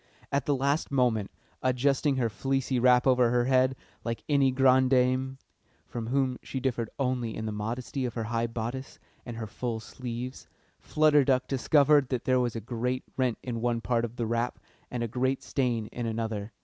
At the last moment, adjusting her fleecy wrap over her head like any grande dame (from whom she differed only in the modesty of her high bodice and her full sleeves), Flutter Duck discovered that there was a great rent in one part of the wrap and a great stain in another.